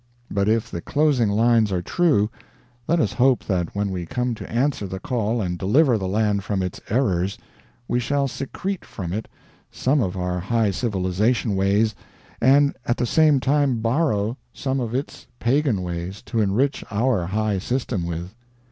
But if the closing lines are true, let us hope that when we come to answer the call and deliver the land from its errors, we shall secrete from it some of our high civilization ways, and at the same time borrow some of its pagan ways to enrich our high system with.